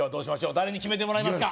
誰に決めてもらいますか？